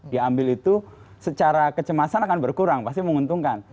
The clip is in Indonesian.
diambil itu secara kecemasan akan berkurang pasti menguntungkan